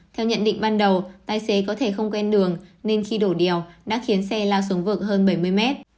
theo nhận định ban đầu tài xế có thể không quen đường nên khi đổ đèo đã khiến xe lao xuống vực hơn bảy mươi mét